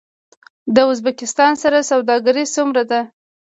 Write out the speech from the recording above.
د ازبکستان سره سوداګري څومره ده؟